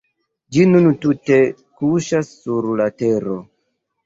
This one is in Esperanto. Ĝi nun tute kuŝas sur la tero.